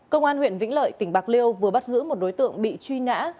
công an huyện vĩnh lợi tỉnh bạc liêu vừa bắt giữ một đối tượng bị truy nã